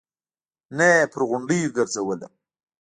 نه يې پر غونډيو ګرځولم.